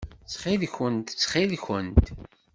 Ttxil-kent! Ttxil-kent!